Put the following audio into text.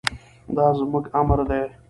دا زموږ امر دی.